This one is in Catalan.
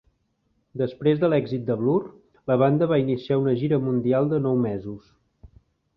Després de l'èxit de "Blur", la banda va iniciar una gira mundial de nou mesos.